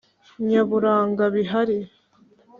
nyaburanga bihari.